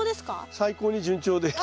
最高に順調です。